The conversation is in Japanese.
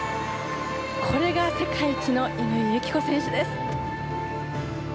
これが世界一の乾友紀子選手です。